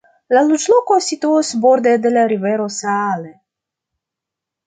La loĝloko situas borde de la rivero Saale.